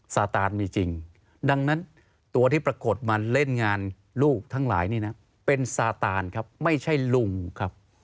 ซาตานมีจริงดังนั้นตัวที่ปรากฏมันเล่นงานลูกทั้งหลายนี่นะเป็นซาตานครับไม่ใช่ลุงครับ